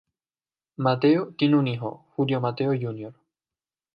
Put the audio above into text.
Mateo tiene un hijo, Julio Mateo Jr.